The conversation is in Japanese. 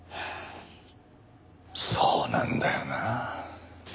そうなんだよな。